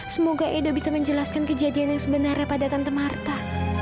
semoga edo bisa menjelaskan kejadian yang sebenarnya pada tante marta